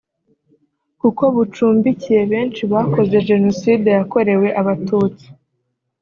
kuko bucumbikiye benshi bakoze Jenoside yakorewe Abatutsi